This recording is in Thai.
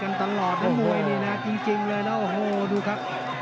กันตลอดนะมวยนี่นะจริงเลยแล้วโอ้โหดูครับ